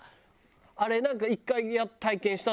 あれなんか１回体験したんだけどさ